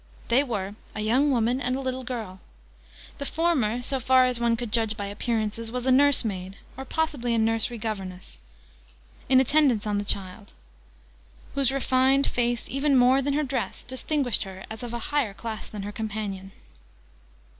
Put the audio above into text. They were a young woman and a little girl: the former, so far as one could judge by appearances, was a nursemaid, or possibly a nursery governess, in attendance on the child, whose refined face, even more than her dress, distinguished her as of a higher class than her companion.